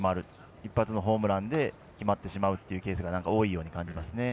一発のホームランで決まってしまうというケースが多いように感じますね。